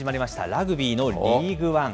ラグビーのリーグワン。